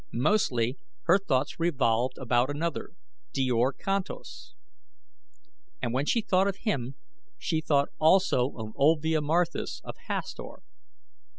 Mostly her thoughts revolved about another Djor Kantos. And when she thought of him she thought also of Olvia Marthis of Hastor.